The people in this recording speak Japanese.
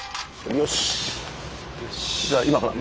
よし。